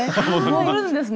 戻るんですね。